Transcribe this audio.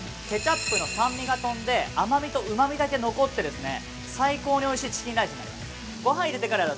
ケチャップの酸味が飛んで、甘みとうまみだけ残って最高においしいチキンライスになります。